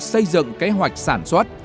xây dựng kế hoạch sản xuất